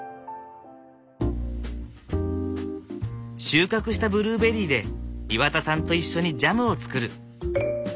収穫したブルーベリーで岩田さんと一緒にジャムを作る。